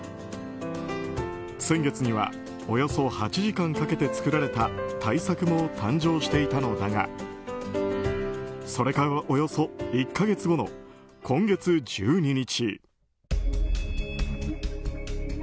先月にはおよそ８時間かけて作られた大作も誕生していたのだがそれからおよそ１か月後の今月１２日。